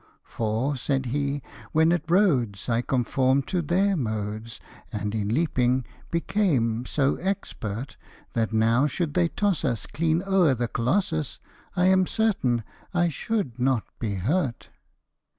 " For," said he, " when at Rhodes, I conformed to their modes, And in leaping became so expert, That now should they toss us clean o'er the Colossus, I am certain I should not be hurt